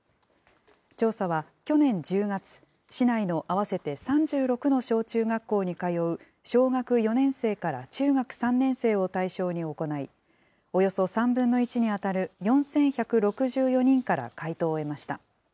調査は、去年１０月、市内の合わせて３６の小中学校に通う、小学４年生から中学３年生を対象に行い、およそ３分の１に当たる４１６４人から回答を得ました。